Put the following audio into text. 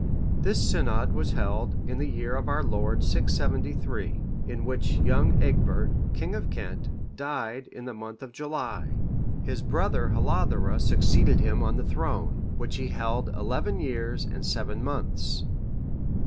This synod was held in the year of our Lord 673. In which year Egbert, king of Kent,(570) died in the month of July; his brother Hlothere(571) succeeded him on the throne, which he held eleven years and seven months.